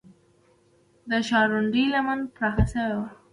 د ښارونډۍ لمن پراخه شوې وه